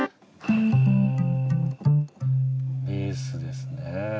ベースですね。